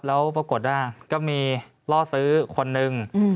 แล้วปรากฏว่าก็มีล่อซื้อคนนึง